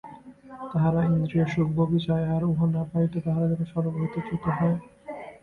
তাহারা ইন্দ্রিয়সুখভোগই চায়, আর উহা না পাইলে তাহারা যেন স্বর্গ হইতে চ্যুত হয়।